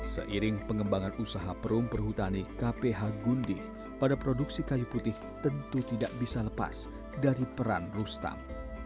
seiring pengembangan usaha perum perhutani kph gundi pada produksi kayu putih tentu tidak bisa lepas dari peran rustam